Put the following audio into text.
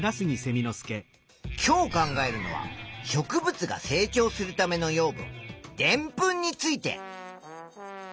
今日考えるのは植物が成長するための養分でんぷんについて。